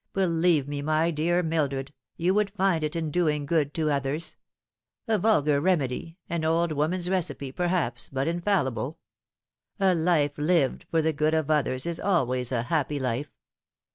Believe me, my dear Mildred, you would find it in doing good to others. A vulgar remedy, an old woman's recipe, perhaps, but infallible. A life lived for the good of others is always a happy life.